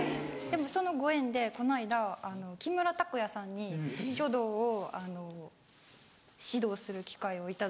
でもそのご縁でこの間木村拓哉さんに書道を指導する機会を頂いて。